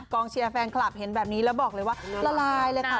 เชียร์แฟนคลับเห็นแบบนี้แล้วบอกเลยว่าละลายเลยค่ะ